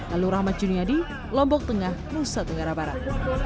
lalu rahmat juniadi lombok tengah nusa tenggara barat